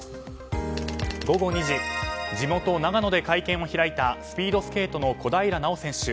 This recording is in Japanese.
午後２時地元・長野で会見を開いたスピードスケートの小平奈緒選手。